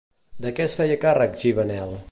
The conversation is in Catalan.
De què es feia càrrec Givanel?